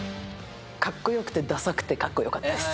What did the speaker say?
かっこよくてダサくて、かっこよかったです。